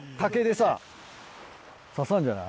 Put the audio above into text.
ささんじゃない？